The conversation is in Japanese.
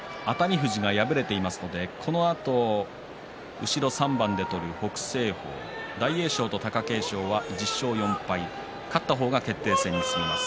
富士がすでに敗れていますのでこのあと後ろ３番で取る北青鵬、大栄翔、貴景勝は１１勝４敗勝った方が決定戦に進みます。